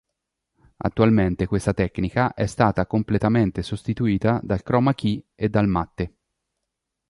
Attualmente questa tecnica è stata completamente sostituita dal Chroma key e dal Matte.